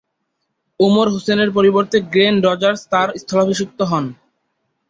ওমর হোসেনের পরিবর্তে Glenn Rogers তার স্থলাভিষিক্ত হন।